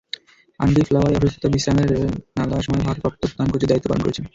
Andy ফ্লাওয়ারের অসুস্থতা-বিশ্রামের নানা সময় ভারপ্রাপ্ত প্রধান কোচের দায়িত্বও পালন করেছেন।